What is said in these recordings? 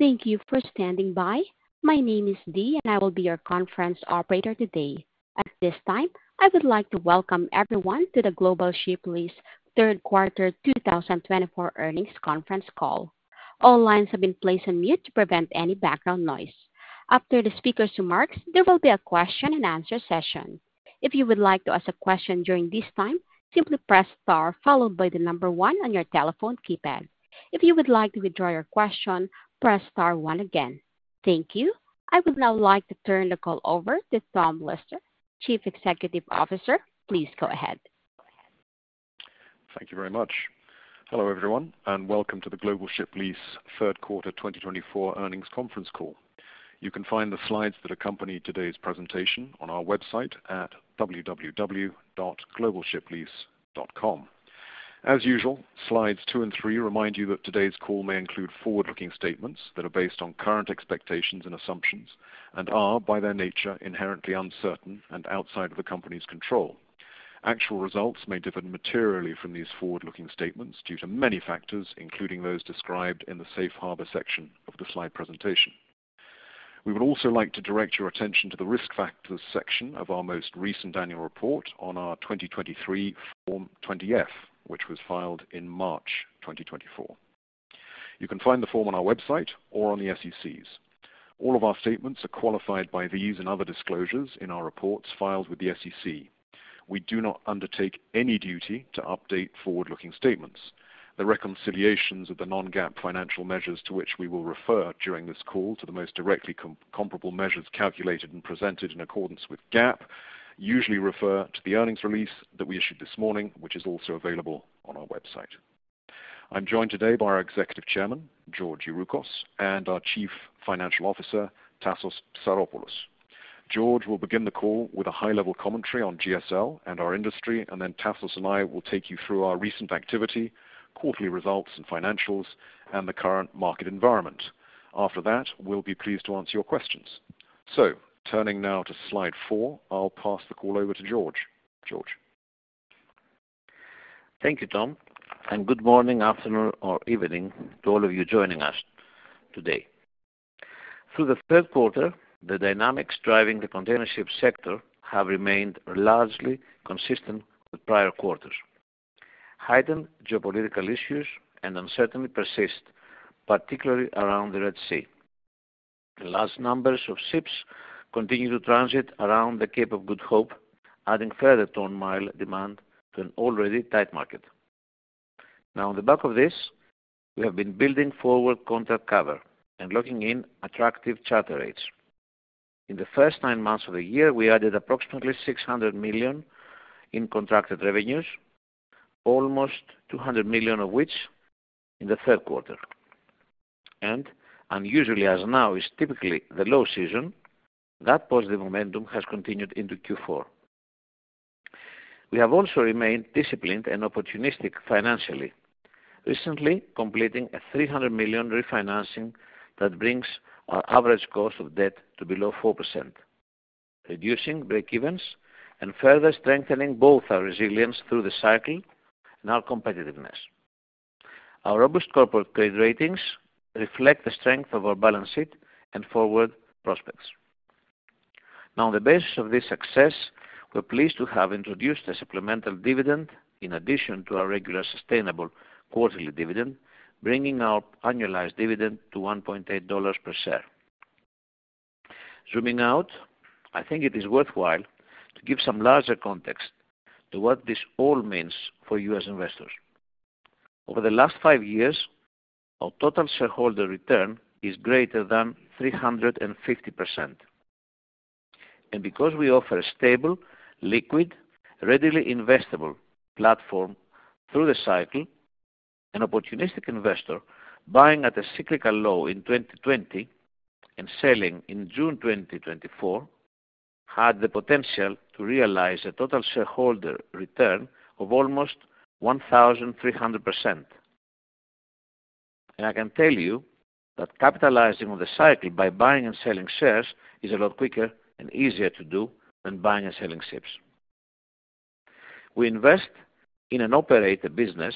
Thank you for standing by. My name is Dee, and I will be your conference operator today. At this time, I would like to welcome everyone to the Global Ship Lease third quarter 2024 earnings conference call. All lines have been placed on mute to prevent any background noise. After the speaker's remarks, there will be a question-and-answer session. If you would like to ask a question during this time, simply press * followed by the number one on your telephone keypad. If you would like to withdraw your question, press * one again. Thank you. I would now like to turn the call over to Tom Lister, Chief Executive Officer. Please go ahead. Thank you very much. Hello everyone, and welcome to the Global Ship Lease third quarter 2024 earnings conference call. You can find the slides that accompany today's presentation on our website at www.globalshiplease.com. As usual, slides two and three remind you that today's call may include forward-looking statements that are based on current expectations and assumptions and are, by their nature, inherently uncertain and outside of the company's control. Actual results may differ materially from these forward-looking statements due to many factors, including those described in the safe harbor section of the slide presentation. We would also like to direct your attention to the risk factors section of our most recent annual report on our 2023 Form 20-F, which was filed in March 2024. You can find the form on our website or on the SEC's. All of our statements are qualified by these and other disclosures in our reports filed with the SEC. We do not undertake any duty to update forward-looking statements. The reconciliations of the non-GAAP financial measures to which we will refer during this call to the most directly comparable measures calculated and presented in accordance with GAAP usually refer to the earnings release that we issued this morning, which is also available on our website. I'm joined today by our Executive Chairman, George Youroukos, and our Chief Financial Officer, Tassos Psaropoulos. George will begin the call with a high-level commentary on GSL and our industry, and then Tassos and I will take you through our recent activity, quarterly results and financials, and the current market environment. After that, we'll be pleased to answer your questions. So, turning now to slide four, I'll pass the call over to George. George. Thank you, Tom, and good morning, afternoon, or evening to all of you joining us today. Through the third quarter, the dynamics driving the container ship sector have remained largely consistent with prior quarters. Heightened geopolitical issues and uncertainty persist, particularly around the Red Sea. The last numbers of ships continue to transit around the Cape of Good Hope, adding further tonnage demand to an already tight market. Now, on the back of this, we have been building forward contract cover and locking in attractive charter rates. In the first nine months of the year, we added approximately $600 million in contracted revenues, almost $200 million of which in the third quarter. And, unusually as now is typically the low season, that positive momentum has continued into Q4. We have also remained disciplined and opportunistic financially, recently completing a $300 million refinancing that brings our average cost of debt to below 4%, reducing breakevens and further strengthening both our resilience through the cycle and our competitiveness. Our robust corporate trade ratings reflect the strength of our balance sheet and forward prospects. Now, on the basis of this success, we're pleased to have introduced a supplemental dividend in addition to our regular sustainable quarterly dividend, bringing our annualized dividend to $1.8 per share. Zooming out, I think it is worthwhile to give some larger context to what this all means for U.S. investors. Over the last five years, our total shareholder return is greater than 350%. Because we offer a stable, liquid, readily investable platform through the cycle, an opportunistic investor buying at a cyclical low in 2020 and selling in June 2024 had the potential to realize a total shareholder return of almost 1,300%. I can tell you that capitalizing on the cycle by buying and selling shares is a lot quicker and easier to do than buying and selling ships. We invest in and operate a business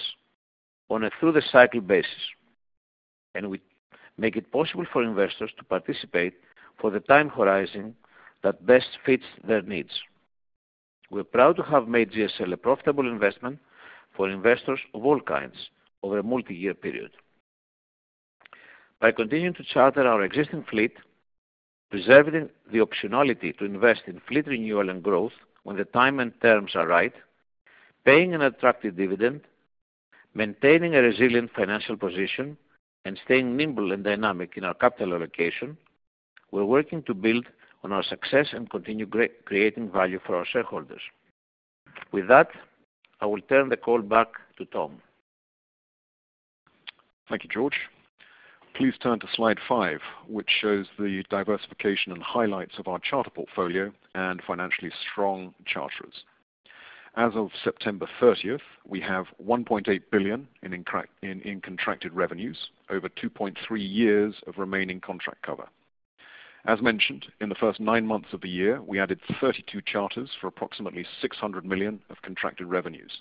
on a through-the-cycle basis, and we make it possible for investors to participate for the time horizon that best fits their needs. We're proud to have made GSL a profitable investment for investors of all kinds over a multi-year period. By continuing to charter our existing fleet, preserving the optionality to invest in fleet renewal and growth when the time and terms are right, paying an attractive dividend, maintaining a resilient financial position, and staying nimble and dynamic in our capital allocation, we're working to build on our success and continue creating value for our shareholders. With that, I will turn the call back to Tom. Thank you, George. Please turn to slide five, which shows the diversification and highlights of our charter portfolio and financially strong charters. As of September 30th, we have $1.8 billion in contracted revenues over 2.3 years of remaining contract cover. As mentioned, in the first nine months of the year, we added 32 charters for approximately $600 million of contracted revenues.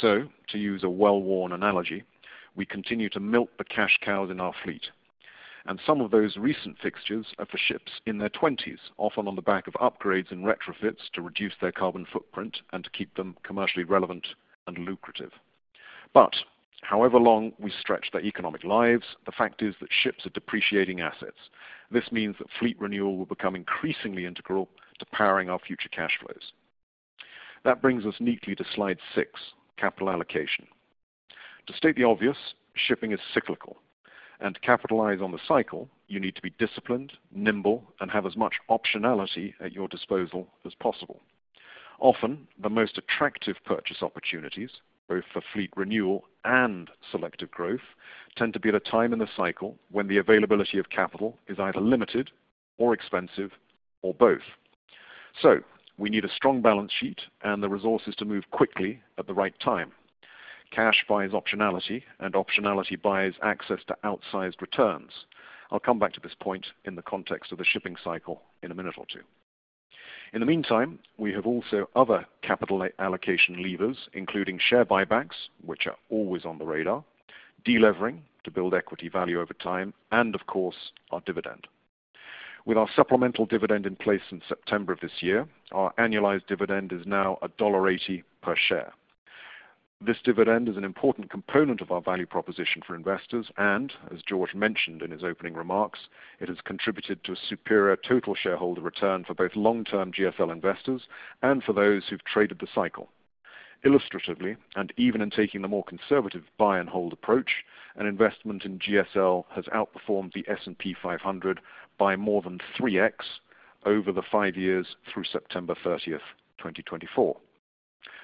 So, to use a well-worn analogy, we continue to milk the cash cows in our fleet. And some of those recent fixtures are for ships in their 20s, often on the back of upgrades and retrofits to reduce their carbon footprint and to keep them commercially relevant and lucrative. But however long we stretch their economic lives, the fact is that ships are depreciating assets. This means that fleet renewal will become increasingly integral to powering our future cash flows. That brings us neatly to slide six, capital allocation. To state the obvious, shipping is cyclical, and to capitalize on the cycle, you need to be disciplined, nimble, and have as much optionality at your disposal as possible. Often, the most attractive purchase opportunities, both for fleet renewal and selective growth, tend to be at a time in the cycle when the availability of capital is either limited or expensive or both, so we need a strong balance sheet and the resources to move quickly at the right time. Cash buys optionality, and optionality buys access to outsized returns. I'll come back to this point in the context of the shipping cycle in a minute or two. In the meantime, we have also other capital allocation levers, including share buybacks, which are always on the radar, delivering to build equity value over time, and, of course, our dividend. With our supplemental dividend in place in September of this year, our annualized dividend is now $1.80 per share. This dividend is an important component of our value proposition for investors, and, as George mentioned in his opening remarks, it has contributed to a superior total shareholder return for both long-term GSL investors and for those who've traded the cycle. Illustratively, and even in taking the more conservative buy-and-hold approach, an investment in GSL has outperformed the S&P 500 by more than 3X over the five years through September 30th, 2024.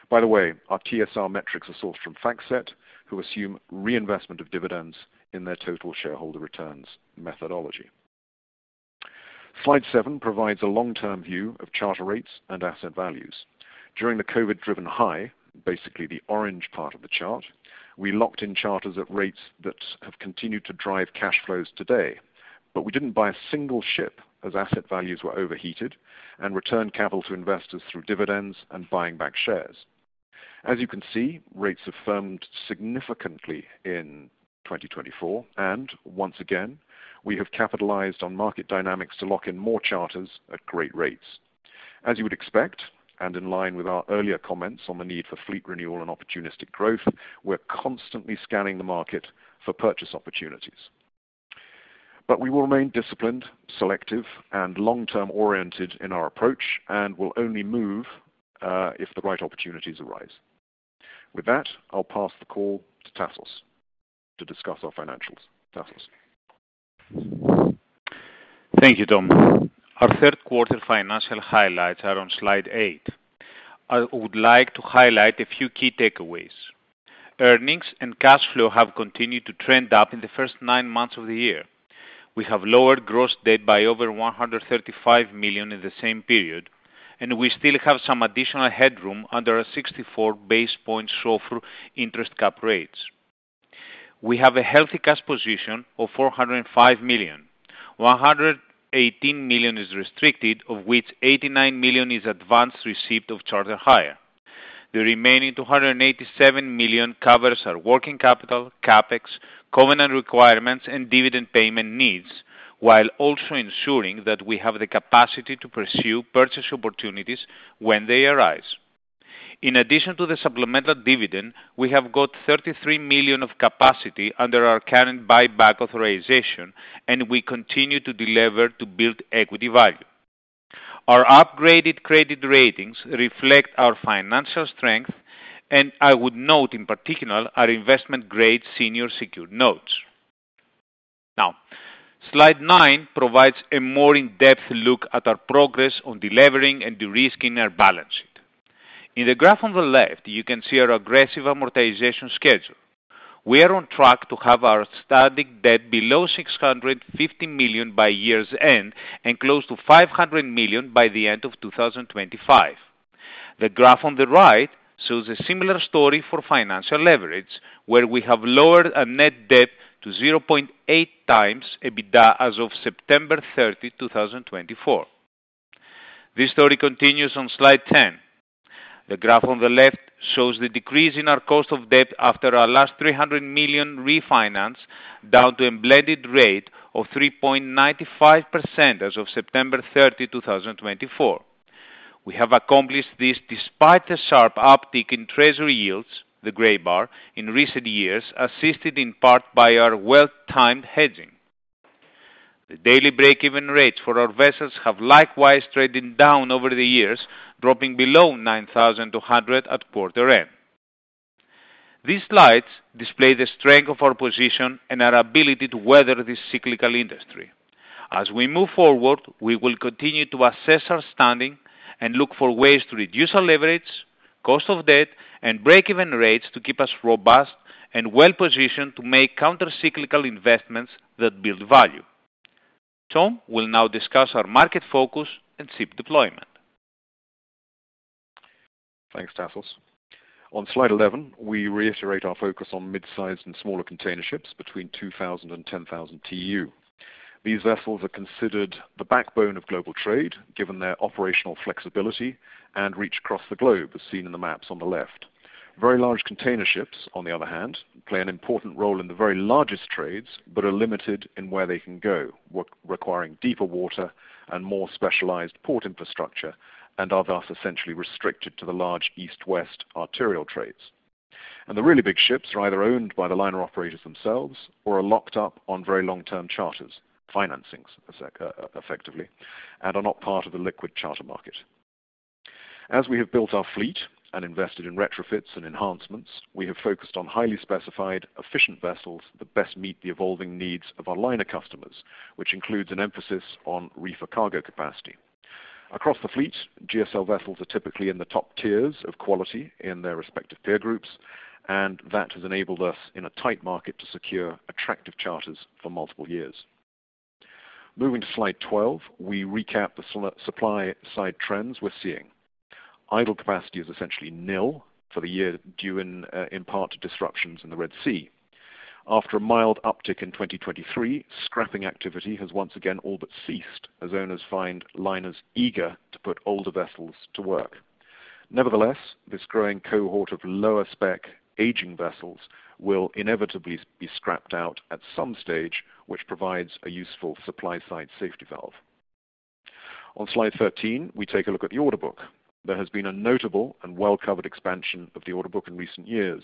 By the way, our TSR metrics are sourced from FactSet, who assume reinvestment of dividends in their total shareholder returns methodology. Slide seven provides a long-term view of charter rates and asset values. During the COVID-driven high, basically the orange part of the chart, we locked in charters at rates that have continued to drive cash flows today, but we didn't buy a single ship as asset values were overheated and returned capital to investors through dividends and buying back shares. As you can see, rates have firmed significantly in 2024, and once again, we have capitalized on market dynamics to lock in more charters at great rates. As you would expect, and in line with our earlier comments on the need for fleet renewal and opportunistic growth, we're constantly scanning the market for purchase opportunities. But we will remain disciplined, selective, and long-term oriented in our approach, and will only move if the right opportunities arise. With that, I'll pass the call to Tassos to discuss our financials. Tassos. Thank you, Tom. Our third quarter financial highlights are on slide eight. I would like to highlight a few key takeaways. Earnings and cash flow have continued to trend up in the first nine months of the year. We have lowered gross debt by over $135 million in the same period, and we still have some additional headroom under our 64 basis points SOFR interest cap rates. We have a healthy cash position of $405 million. $118 million is restricted, of which $89 million is advance received of charter hire. The remaining $287 million covers our working capital, CapEx, covenant requirements, and dividend payment needs, while also ensuring that we have the capacity to pursue purchase opportunities when they arise. In addition to the supplemental dividend, we have got $33 million of capacity under our current buyback authorization, and we continue to deliver to build equity value. Our upgraded credit ratings reflect our financial strength, and I would note in particular our investment-grade senior secured notes. Now, slide nine provides a more in-depth look at our progress on delivering and de-risking our balance sheet. In the graph on the left, you can see our aggressive amortization schedule. We are on track to have our starting debt below $650 million by year's end and close to $500 million by the end of 2025. The graph on the right shows a similar story for financial leverage, where we have lowered our net debt to 0.8 times EBITDA as of September 30, 2024. This story continues on slide ten. The graph on the left shows the decrease in our cost of debt after our last $300 million refinance down to a blended rate of 3.95% as of September 30, 2024. We have accomplished this despite a sharp uptick in Treasury yields, the gray bar, in recent years, assisted in part by our well-timed hedging. The daily breakeven rates for our vessels have likewise trended down over the years, dropping below $9,200 at quarter end. These slides display the strength of our position and our ability to weather this cyclical industry. As we move forward, we will continue to assess our standing and look for ways to reduce our leverage, cost of debt, and breakeven rates to keep us robust and well-positioned to make counter-cyclical investments that build value. Tom will now discuss our market focus and ship deployment. Thanks, Tassos. On slide 11, we reiterate our focus on mid-sized and smaller container ships between 2,000 and 10,000 TEU. These vessels are considered the backbone of global trade given their operational flexibility and reach across the globe, as seen in the maps on the left. Very large container ships, on the other hand, play an important role in the very largest trades but are limited in where they can go, requiring deeper water and more specialized port infrastructure, and are thus essentially restricted to the large east-west arterial trades. And the really big ships are either owned by the liner operators themselves or are locked up on very long-term charters, financings effectively, and are not part of the liquid charter market. As we have built our fleet and invested in retrofits and enhancements, we have focused on highly specified, efficient vessels that best meet the evolving needs of our liner customers, which includes an emphasis on reefer cargo capacity. Across the fleet, GSL vessels are typically in the top tiers of quality in their respective peer groups, and that has enabled us in a tight market to secure attractive charters for multiple years. Moving to slide 12, we recap the supply-side trends we're seeing. Idle capacity is essentially nil for the year due in part to disruptions in the Red Sea. After a mild uptick in 2023, scrapping activity has once again all but ceased as owners find liners eager to put older vessels to work. Nevertheless, this growing cohort of lower-spec aging vessels will inevitably be scrapped out at some stage, which provides a useful supply-side safety valve. On slide 13, we take a look at the order book. There has been a notable and well-covered expansion of the order book in recent years,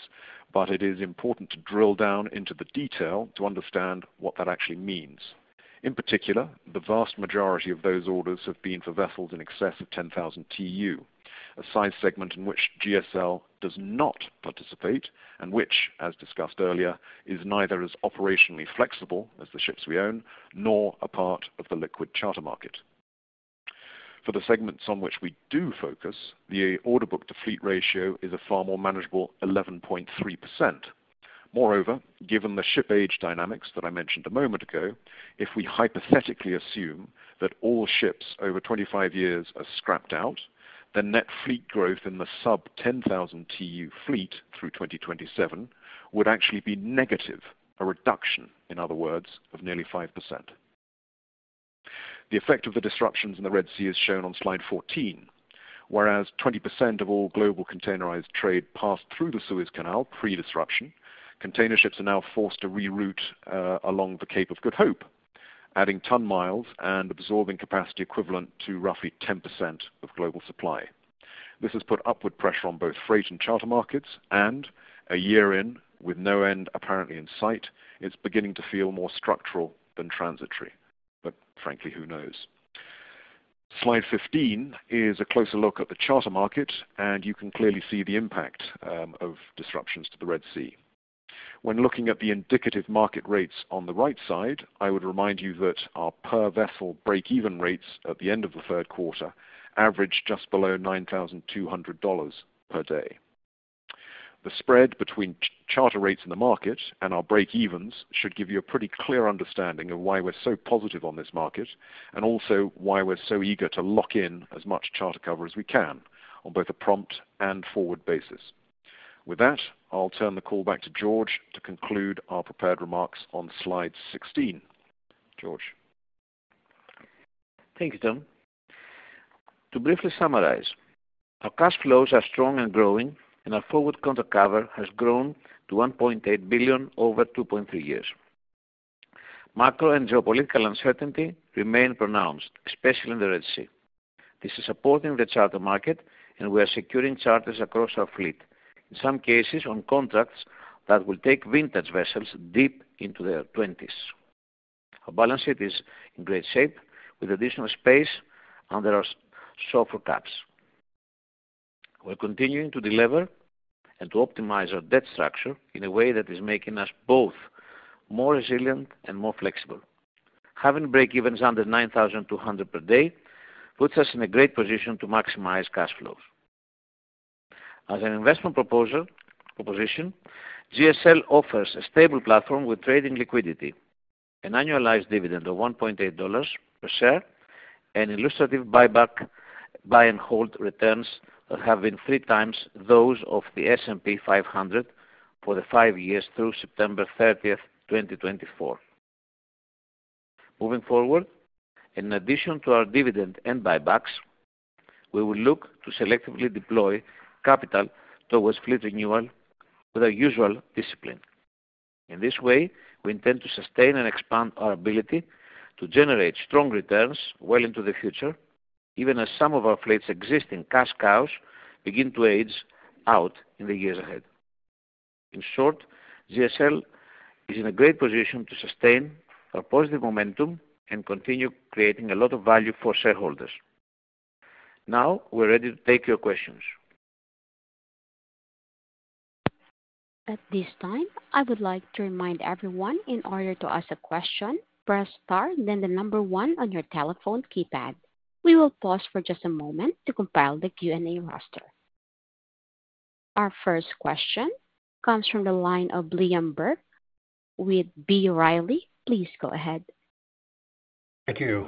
but it is important to drill down into the detail to understand what that actually means. In particular, the vast majority of those orders have been for vessels in excess of 10,000 TEU, a size segment in which GSL does not participate and which, as discussed earlier, is neither as operationally flexible as the ships we own nor a part of the liquid charter market. For the segments on which we do focus, the order book-to-fleet ratio is a far more manageable 11.3%. Moreover, given the ship age dynamics that I mentioned a moment ago, if we hypothetically assume that all ships over 25 years are scrapped out, the net fleet growth in the sub-10,000 TEU fleet through 2027 would actually be negative, a reduction, in other words, of nearly 5%. The effect of the disruptions in the Red Sea is shown on slide 14. Whereas 20% of all global containerized trade passed through the Suez Canal pre-disruption, container ships are now forced to reroute along the Cape of Good Hope, adding ton miles and absorbing capacity equivalent to roughly 10% of global supply. This has put upward pressure on both freight and charter markets, and a year in with no end apparently in sight, it's beginning to feel more structural than transitory. But frankly, who knows? Slide 15 is a closer look at the charter market, and you can clearly see the impact of disruptions to the Red Sea. When looking at the indicative market rates on the right side, I would remind you that our per-vessel breakeven rates at the end of the third quarter averaged just below $9,200 per day. The spread between charter rates in the market and our breakevens should give you a pretty clear understanding of why we're so positive on this market and also why we're so eager to lock in as much charter cover as we can on both a prompt and forward basis. With that, I'll turn the call back to George to conclude our prepared remarks on slide 16. George. Thank you, Tom. To briefly summarize, our cash flows are strong and growing, and our forward counter cover has grown to $1.8 billion over 2.3 years. Macro and geopolitical uncertainty remain pronounced, especially in the Red Sea. This is supporting the charter market, and we are securing charters across our fleet, in some cases on contracts that will take vintage vessels deep into their 20s. Our balance sheet is in great shape with additional space under our SOFR caps. We're continuing to deliver and to optimize our debt structure in a way that is making us both more resilient and more flexible. Having breakevens under $9,200 per day puts us in a great position to maximize cash flows. As an investment proposition, GSL offers a stable platform with trading liquidity, an annualized dividend of $1.80 per share, and illustrative buyback buy-and-hold returns that have been three times those of the S&P 500 for the five years through September 30th, 2024. Moving forward, in addition to our dividend and buybacks, we will look to selectively deploy capital towards fleet renewal with our usual discipline. In this way, we intend to sustain and expand our ability to generate strong returns well into the future, even as some of our fleet's existing cash cows begin to age out in the years ahead. In short, GSL is in a great position to sustain our positive momentum and continue creating a lot of value for shareholders. Now, we're ready to take your questions. At this time, I would like to remind everyone in order to ask a question, press star, then the number one on your telephone keypad. We will pause for just a moment to compile the Q&A roster. Our first question comes from the line of Liam Burke with B. Riley. Please go ahead. Thank you.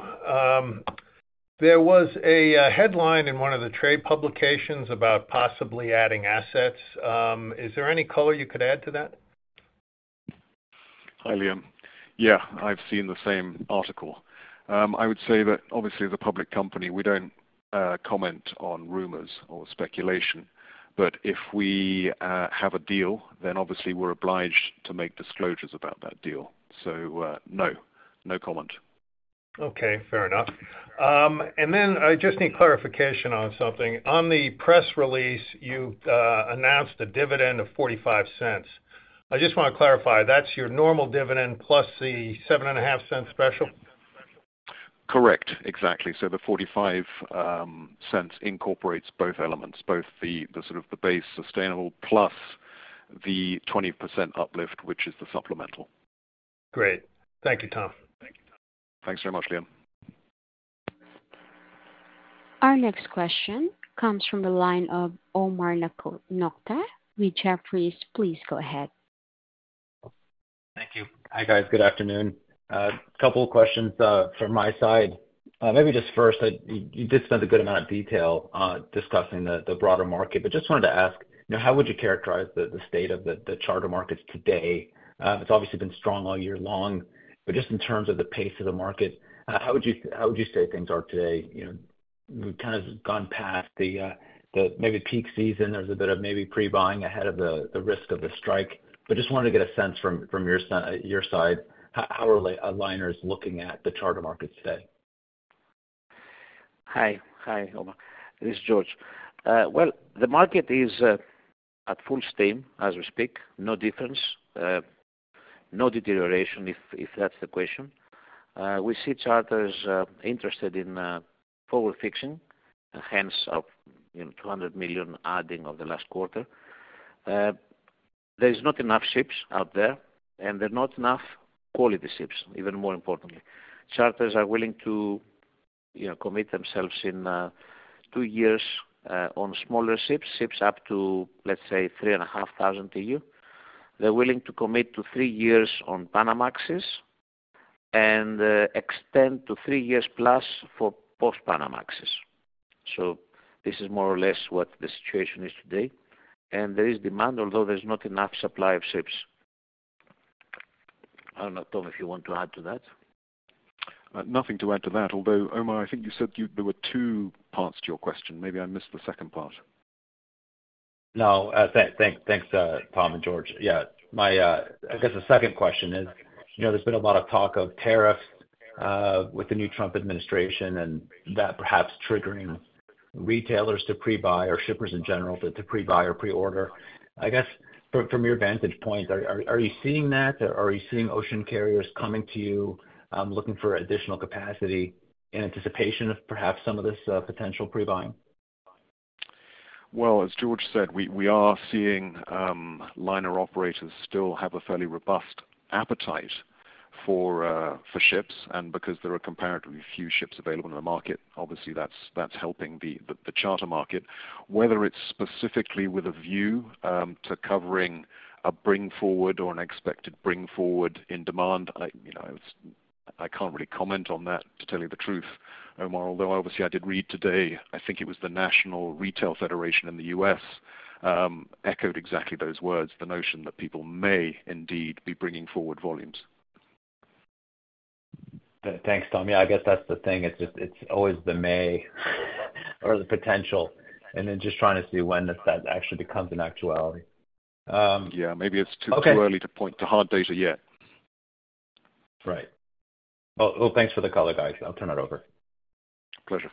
There was a headline in one of the trade publications about possibly adding assets. Is there any color you could add to that? Hi, Liam. Yeah, I've seen the same article. I would say that obviously as a public company, we don't comment on rumors or speculation. But if we have a deal, then obviously we're obliged to make disclosures about that deal. So no, no comment. Okay, fair enough. And then I just need clarification on something. On the press release, you announced a dividend of $0.45. I just want to clarify, that's your normal dividend plus the $0.075 special? Correct, exactly. So the $0.45 incorporates both elements, both the sort of the base sustainable plus the 20% uplift, which is the supplemental. Great. Thank you, Tom. Thanks very much, Liam. Our next question comes from the line of Omar Nokta with Jefferies, please go ahead. Thank you. Hi, guys. Good afternoon. A couple of questions from my side. Maybe just first, you did spend a good amount of detail discussing the broader market, but just wanted to ask, how would you characterize the state of the charter markets today? It's obviously been strong all year long, but just in terms of the pace of the market, how would you say things are today? We've kind of gone past maybe peak season. There's a bit of maybe pre-buying ahead of the risk of the strike. But just wanted to get a sense from your side, how are liners looking at the charter markets today? Hi, Omar. This is George. Well, the market is at full steam as we speak. No difference, no deterioration, if that's the question. We see charters interested in forward fixing, hence our $200 million adding of the last quarter. There is not enough ships out there, and there are not enough quality ships, even more importantly. Charters are willing to commit themselves in two years on smaller ships, ships up to, let's say, 3,500 TEU. They're willing to commit to three years on Panamaxes and extend to three years plus for Post-Panamaxes. So this is more or less what the situation is today. And there is demand, although there's not enough supply of ships. I don't know, Tom, if you want to add to that. Nothing to add to that. Although, Omar, I think you said there were two parts to your question. Maybe I missed the second part. No, thanks, Tom and George. Yeah, I guess the second question is there's been a lot of talk of tariffs with the new Trump administration and that perhaps triggering retailers to pre-buy or shippers in general to pre-buy or pre-order. I guess from your vantage point, are you seeing that? Are you seeing ocean carriers coming to you looking for additional capacity in anticipation of perhaps some of this potential pre-buying? As George said, we are seeing liner operators still have a fairly robust appetite for ships, and because there are comparatively few ships available in the market, obviously that's helping the charter market, whether it's specifically with a view to covering a bring-forward or an expected bring-forward in demand. I can't really comment on that, to tell you the truth, Omar. Although obviously I did read today, I think it was the National Retail Federation in the U.S. echoed exactly those words, the notion that people may indeed be bringing forward volumes. Thanks, Tom. Yeah, I guess that's the thing. It's always the may or the potential, and then just trying to see when that actually becomes an actuality. Yeah, maybe it's too early to point to hard data yet. Right. Well, thanks for the color, guys. I'll turn it over. Pleasure.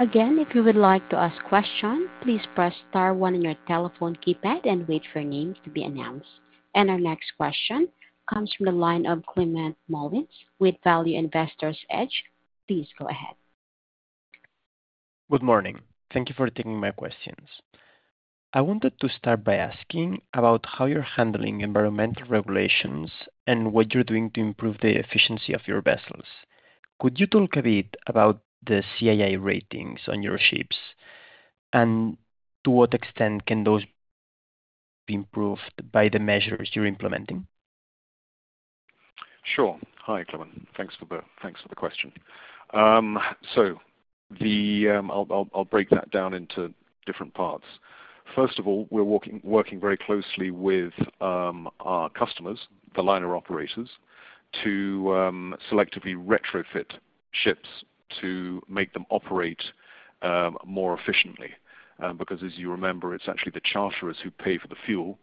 Again, if you would like to ask a question, please press star one on your telephone keypad and wait for your name to be announced. And our next question comes from the line of Climent Molins with Value Investor's Edge. Please go ahead. Good morning. Thank you for taking my questions. I wanted to start by asking about how you're handling environmental regulations and what you're doing to improve the efficiency of your vessels. Could you talk a bit about the CII ratings on your ships and to what extent can those be improved by the measures you're implementing? Sure. Hi, Climent. Thanks for the question, so I'll break that down into different parts. First of all, we're working very closely with our customers, the liner operators, to selectively retrofit ships to make them operate more efficiently. Because as you remember, it's actually the charterers who pay for the fuel,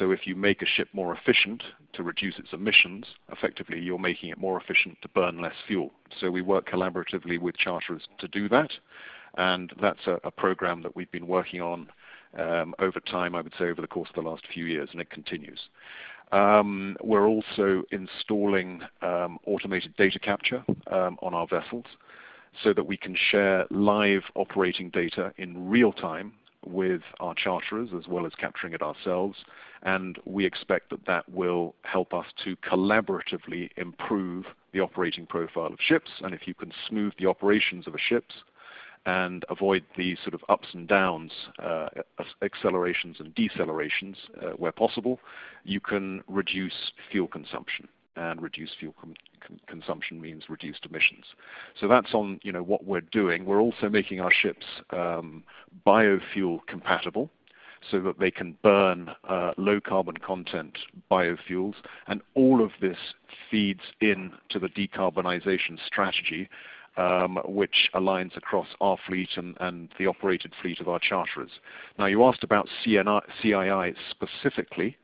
so if you make a ship more efficient to reduce its emissions, effectively you're making it more efficient to burn less fuel, so we work collaboratively with charterers to do that, and that's a program that we've been working on over time, I would say, over the course of the last few years, and it continues. We're also installing automated data capture on our vessels so that we can share live operating data in real time with our charterers as well as capturing it ourselves. And we expect that that will help us to collaboratively improve the operating profile of ships. And if you can smooth the operations of a ship and avoid the sort of ups and downs, accelerations and decelerations where possible, you can reduce fuel consumption. And reduced fuel consumption means reduced emissions. So that's on what we're doing. We're also making our ships biofuel compatible so that they can burn low carbon content biofuels. And all of this feeds into the decarbonization strategy, which aligns across our fleet and the operated fleet of our charterers. Now, you asked about CII specifically.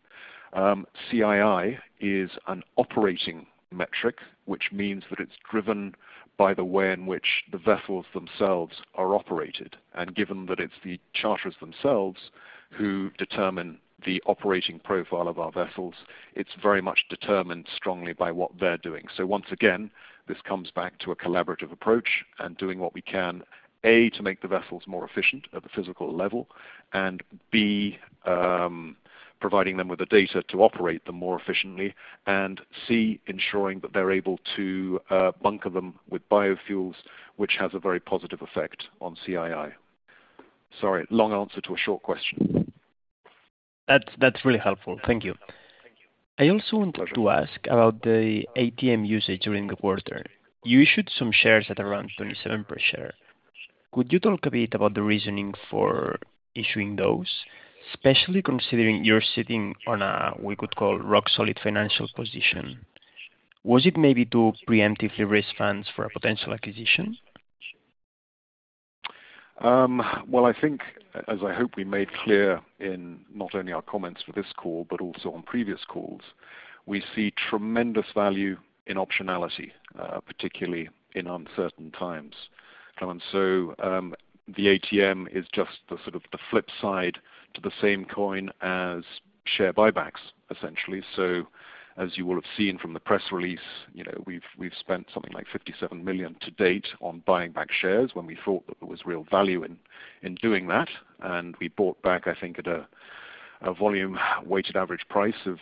CII is an operating metric, which means that it's driven by the way in which the vessels themselves are operated. And given that it's the charterers themselves who determine the operating profile of our vessels, it's very much determined strongly by what they're doing. So once again, this comes back to a collaborative approach and doing what we can, A, to make the vessels more efficient at the physical level, and B, providing them with the data to operate them more efficiently, and C, ensuring that they're able to bunker them with biofuels, which has a very positive effect on CII. Sorry, long answer to a short question. That's really helpful. Thank you. I also wanted to ask about the ATM usage during the quarter. You issued some shares at around $0.27 per share. Could you talk a bit about the reasoning for issuing those, especially considering you're sitting on a, we could call, rock-solid financial position? Was it maybe to preemptively raise funds for a potential acquisition? I think, as I hope we made clear in not only our comments for this call, but also on previous calls, we see tremendous value in optionality, particularly in uncertain times. The ATM is just the sort of the flip side to the same coin as share buybacks, essentially. As you will have seen from the press release, we've spent something like $57 million to date on buying back shares when we thought that there was real value in doing that. We bought back, I think, at a volume weighted average price of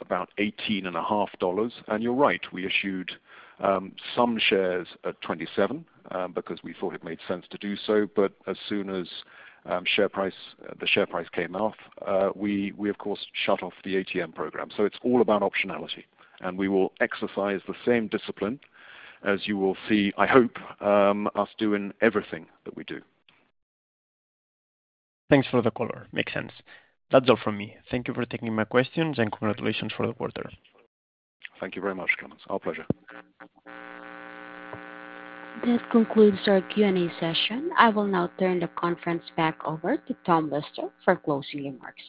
about $18.50. You're right, we issued some shares at $27 because we thought it made sense to do so. As soon as the share price came off, we, of course, shut off the ATM program. It's all about optionality. And we will exercise the same discipline as you will see, I hope, us doing everything that we do. Thanks for the color. Makes sense. That's all from me. Thank you for taking my questions and congratulations for the quarter. Thank you very much, Climent. Our pleasure. That concludes our Q&A session. I will now turn the conference back over to Tom Lister for closing remarks.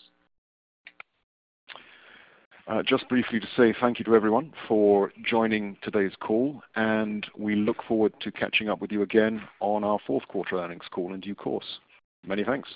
Just briefly to say thank you to everyone for joining today's call. And we look forward to catching up with you again on our fourth quarter earnings call in due course. Many thanks.